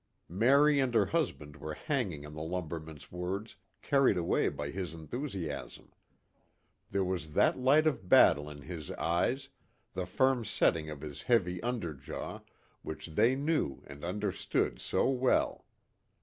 Mary and her husband were hanging on the lumberman's words, carried away by his enthusiasm. There was that light of battle in his eyes, the firm setting of his heavy under jaw, which they knew and understood so well.